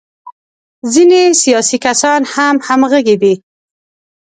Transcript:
ځینې سیاسي کسان هم همغږي دي.